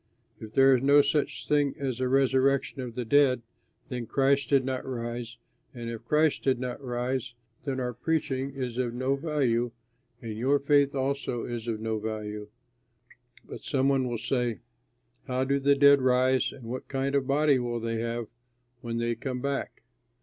If there is no such thing as a resurrection of the dead, then Christ did not rise; and if Christ did not rise then our preaching is of no value and your faith also is of no value. But some one will say, "How do the dead rise and what kind of body will they have when they come back?"